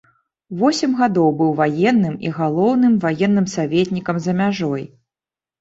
Восем гадоў быў ваенным і галоўным ваенным саветнікам за мяжой.